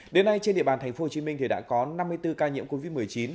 đến nay trên địa bàn tp hcm đã có năm mươi bốn ca nhiễm covid một mươi chín